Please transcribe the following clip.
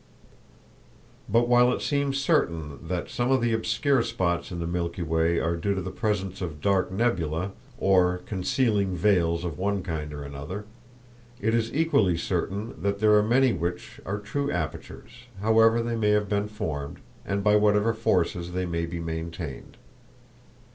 But while it seems certain that some of the obscure spots in the Milky Way are due to the presence of "dark nebulæ," or concealing veils of one kind or another, it is equally certain that there are many which are true apertures, however they may have been formed, and by whatever forces they may be maintained.